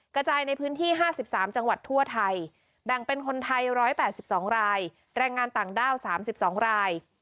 กระจายในพื้นที่๕๓จังหวัดทั่วไทยแบ่งเป็นคนไทย๑๘๒รายแรงงานต่างด้าว๓๒ราย